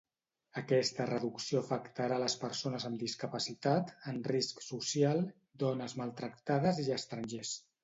Aquesta reducció afectarà les persones amb discapacitat, en risc social, dones maltractades i estrangers.